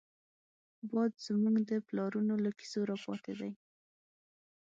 باد زمونږ د پلارانو له کيسو راپاتې دی